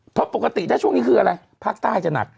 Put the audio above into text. เพราะปกติถ้าช่วงนี้คืออะไรภาคใต้จะหนัก